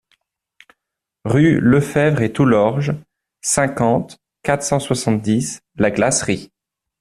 Rue Lefevre et Toulorge, cinquante, quatre cent soixante-dix La Glacerie